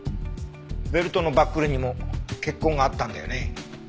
ベルトのバックルにも血痕があったんだよね？